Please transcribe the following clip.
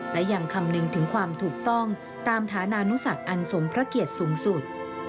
และยังคำนึงถึงความถูกต้องตามฐานานุสักอันสมพระเกียรติสูงสุด